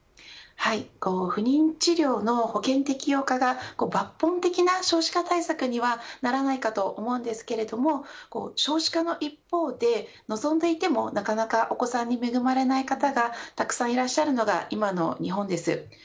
不妊治療の保険適用化が抜本的な少子化対策にはならないかと思いますが少子化の一方で望んでいても、なかなかお子さんに恵まれない方がたくさんいらっしゃるのが今の日本です。